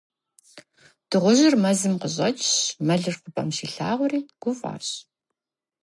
Дыгъужьыр мэзым къыщӀэкӀщ, мэлыр хъупӀэм щилъагъури, гуфӀащ.